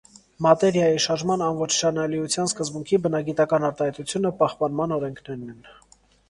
Մատերիայի շարժման անոչնչանալիության սկզբունքի բնագիտական արտահայտությունը պահպանման օրենքներն են։